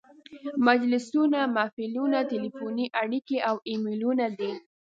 مجلسونه، محفلونه، تلیفوني اړیکې او ایمیلونه دي.